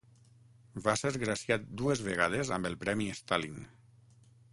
Va ser graciat dues vegades amb el premi Stalin.